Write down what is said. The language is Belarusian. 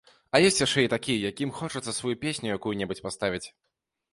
А ёсць яшчэ і такія, якім хочацца сваю песню якую-небудзь паставіць.